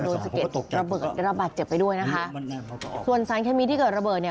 สะเก็ดตกระเบิดระบาดเจ็บไปด้วยนะคะส่วนสารเคมีที่เกิดระเบิดเนี่ย